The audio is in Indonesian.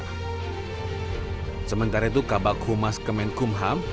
ketika itu kabar kumas kemenkumham